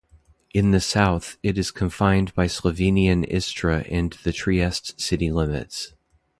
In the south, it is confined by Slovenian Istria and the Trieste city limits.